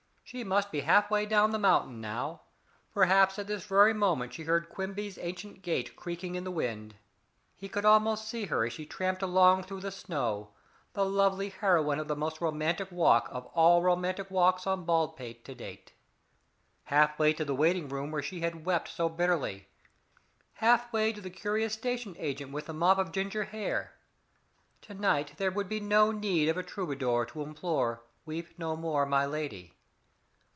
She must be half way down the mountain now perhaps at this very moment she heard Quimby's ancient gate creaking in the wind. He could almost see her as she tramped along through the snow, the lovely heroine of the most romantic walk of all romantic walks on Baldpate to date. Half way to the waiting room where she had wept so bitterly; half way to the curious station agent with the mop of ginger hair. To night there would be no need of a troubadour to implore "Weep no more, my lady".